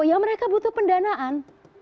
ya mereka butuh pendanaan